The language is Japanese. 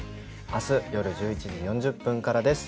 明日夜１１時４０分からです。